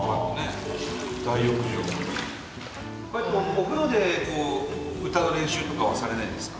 お風呂で歌う練習とかはされないんですか？